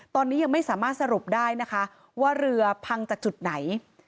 ตอนนี้ยังไม่สามารถสรุปได้นะคะว่าเรือพังจากจุดไหน